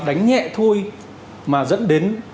đánh nhẹ thôi mà dẫn đến